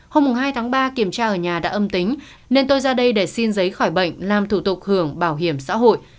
hôm hai tháng ba kiểm tra ở nhà đã âm tính nên tôi ra đây để xin giấy khỏi bệnh làm thủ tục hưởng bảo hiểm xã hội